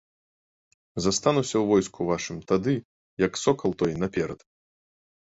Застануся ў войску вашым, тады, як сокал той, наперад!